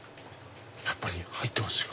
やっぱり入ってますよ。